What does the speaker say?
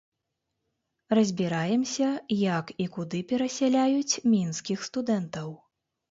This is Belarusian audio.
Разбіраемся, як і куды перасяляюць мінскіх студэнтаў.